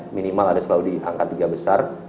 minimal ada selalu di angka tiga besar